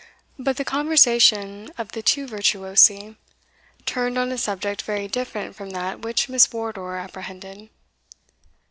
But the conversation of the two virtuosi turned on a subject very different from that which Miss Wardour apprehended.